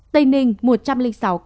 tây ninh một trăm linh sáu ca